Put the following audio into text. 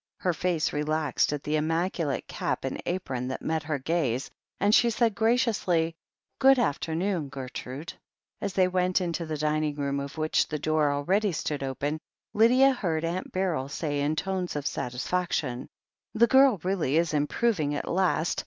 Her face relaxed at the im maculate cap and apron that met her gaze, and she said graciously : "Good af temoon, Gertrude." As they went into the dining room, of which the door already stood open, Lydia heard Aunt Beryl say in tones of satisfaction : "The girl really is improving at last.